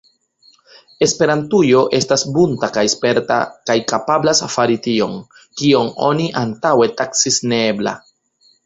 Esperantujo estas bunta kaj sperta kaj kapablas fari tion, kion oni antaŭe taksis neebla.